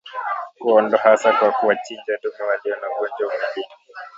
Kuwaondoa hasa kwa kuwachinja dume walio na ugonjwa huu mwilini